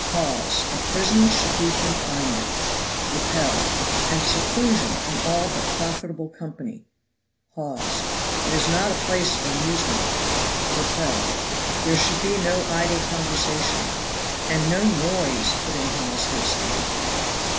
Hawes. A prison should be confinement. Lepel. And seclusion from all but profitable company. Hawes. It is not a place of amusement. Lepel. There should be no idle conversation. "And no noise," put in Hawes hastily.